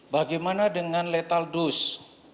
bagaimana dengan lethal dose